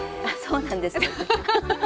あっそうなんです。